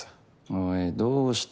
おいどうした？